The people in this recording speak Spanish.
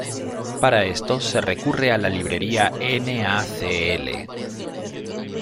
Para esto se recurre a la librería NaCl.